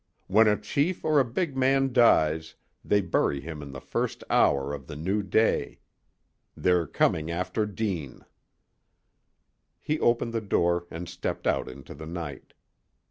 When a chief or a big man dies they bury him in the first hour of the new day. They're coming after Deane." He opened the door and stepped out into the night.